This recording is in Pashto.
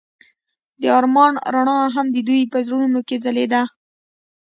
د آرمان رڼا هم د دوی په زړونو کې ځلېده.